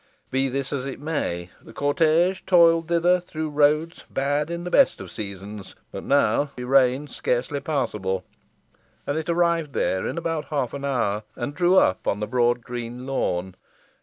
Be this as it may, the cortège toiled thither through roads bad in the best of seasons, but now, since the heavy rain, scarcely passable; and it arrived there in about half an hour, and drew up on the broad green lawn.